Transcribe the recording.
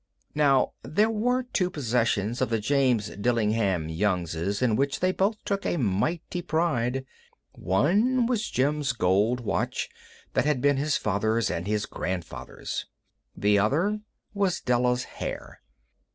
Now, there were two possessions of the James Dillingham Youngs in which they both took a mighty pride. One was Jim's gold watch that had been his father's and his grandfather's. The other was Della's hair.